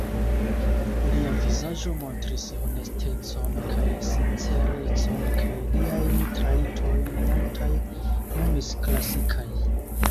Lia vizaĝo montris honestecon kaj sincerecon; kaj liajn trajtojn multaj nomis klasikaj.